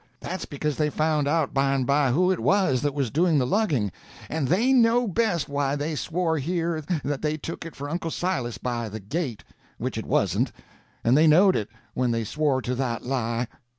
That's because they found out by and by who it was that was doing the lugging, and they know best why they swore here that they took it for Uncle Silas by the gait—which it wasn't, and they knowed it when they swore to that lie.